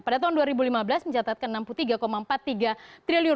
pada tahun dua ribu lima belas mencatatkan enam puluh tiga empat puluh tiga triliun